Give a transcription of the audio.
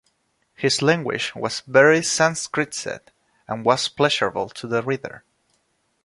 His language was very sanskritized and was pleasurable to the reader.